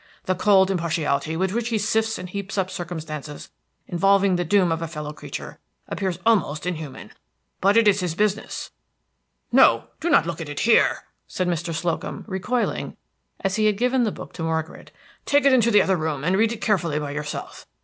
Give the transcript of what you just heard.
The cold impartiality with which he sifts and heaps up circumstances involving the doom of a fellow creature appears almost inhuman; but it is his business. No, don't look at it here!" said Mr. Slocum, recoiling; he had given the book to Margaret. "Take it into the other room, and read it carefully by yourself.